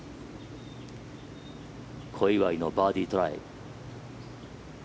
小祝のバーディートライ。